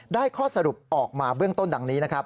ได้ข้อสรุปออกมาเบื้องต้นดังนี้